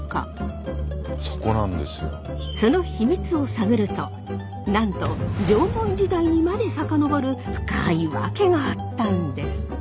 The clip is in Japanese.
その秘密を探るとなんと縄文時代にまで遡る深い訳があったんです。